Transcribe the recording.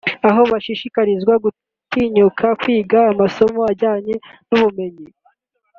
aho bashishikarizwa gutinyuka kwiga amasomo ajyanye n’ubumenyi